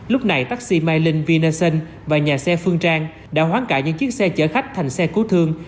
lúc này tác sĩ mai linh vy nha sơn và nhà xe phương trang đã hoán cả những chiếc xe chở khách thành xe cứu thương